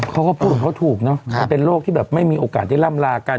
เขาก็พูดของเขาถูกเนอะมันเป็นโรคที่แบบไม่มีโอกาสได้ล่ำลากัน